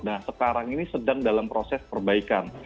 nah sekarang ini sedang dalam proses perbaikan